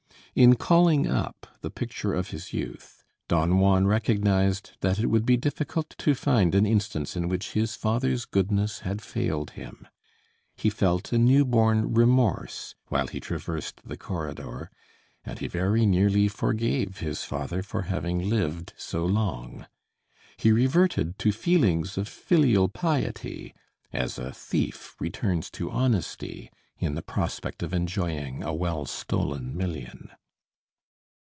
In calling up the picture of his youth, Don Juan recognized that it would be difficult to find an instance in which his father's goodness had failed him. He felt a newborn remorse while he traversed the corridor, and he very nearly forgave his father for having lived so long. He reverted to feelings of filial piety, as a thief returns to honesty in the prospect of enjoying a well stolen million.